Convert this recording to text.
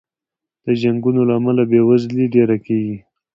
د جنګونو له امله بې وزلي ډېره کېږي.